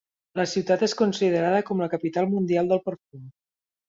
La ciutat és considerada com la capital mundial del perfum.